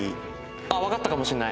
あっ分かったかもしんない。